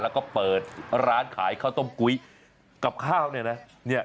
แล้วก็เปิดร้านขายข้าวต้มกุ้ยกับข้าวเนี่ยนะ